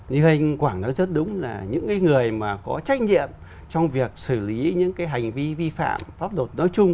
như anh quảng nói rất đúng là những người mà có trách nhiệm trong việc xử lý những cái hành vi vi phạm pháp luật nói chung